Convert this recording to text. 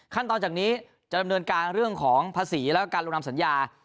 จากนี้จะดำเนินการเรื่องของภาษีแล้วก็การลงนำสัญญา